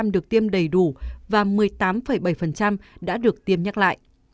năm mươi chín được tiêm đầy đủ và một mươi tám bảy đã được tiêm nhắc lại